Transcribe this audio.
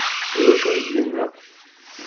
D acu i d-yenna?